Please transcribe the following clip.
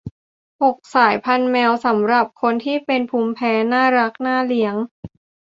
หก สายพันธุ์แมวสำหรับคนเป็นภูมิแพ้ น่ารัก น่าเลี้ยง